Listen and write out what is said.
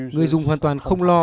người dùng hoàn toàn không lo